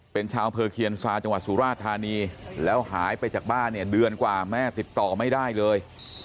เป็นชาวอำเภอเคียนซาจังหวัดสุราชธานีแล้วหายไปจากบ้านเนี่ยเดือนกว่าแม่ติดต่อไม่ได้เลย